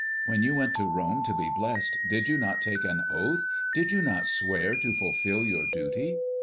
When you went to Rome to be blessed, did you not take an oath, did you not swear to fulfil your duty?